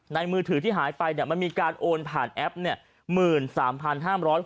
มือถือที่หายไปเนี่ยมันมีการโอนผ่านแอปเนี่ย